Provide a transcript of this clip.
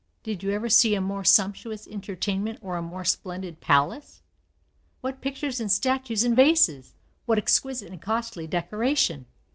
Did you ever see a more sumptuous entertainment or a more splendid palace? What pictures and statues and vases! what exquisite and costly decoration!